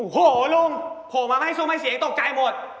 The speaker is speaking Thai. โหลุงโผล่มาก็ให้ซุ่มให้เสียงตกใจหมด